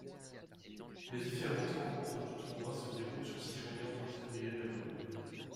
Les différentes rencontres du tournoi se déroulent sur six journées entre février et avril.